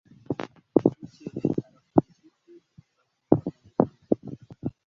bukeye, abafilisiti basohoka mu ngando